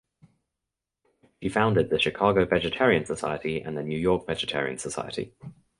She founded the Chicago Vegetarian Society and the New York Vegetarian Society.